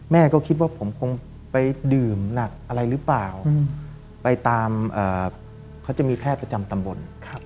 แม่ก็คิดว่าผมคงไปดื่มหนักอะไรหรือเปล่าไปตามเขาจะมีแพทย์ประจำตำบล